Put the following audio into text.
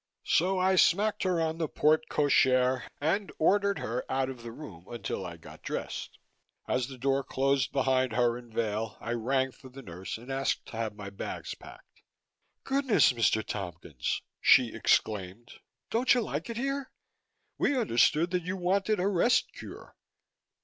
So I smacked her on the porte cochere and ordered her out of the room until I got dressed. As the door closed behind her and Vail, I rang for the nurse and asked to have my bags packed. "Goodness, Mr. Tompkins," she exclaimed. "Don't you like it here? We understood that you wanted a rest cure."